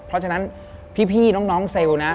เพราะฉะนั้นพี่น้องเซลล์นะ